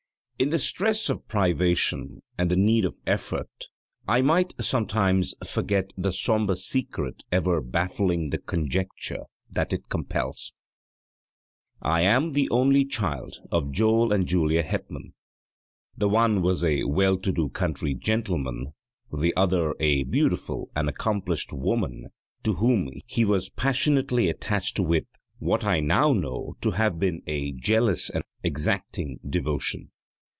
In the stress of privation and the need of effort I might sometimes forget the sombre secret ever baffling the conjecture that it compels. I am the only child of Joel and Julia Hetman. The one was a well to do country gentleman, the other a beautiful and accomplished woman to whom he was passionately attached with what I now know to have been a jealous and exacting devotion.